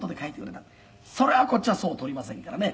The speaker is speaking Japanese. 「それはこっちはそう取りませんからね」